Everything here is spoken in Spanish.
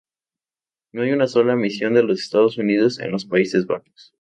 No hay una sola misión de los Estados Unidos en los Países Bajos.